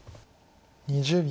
２０秒。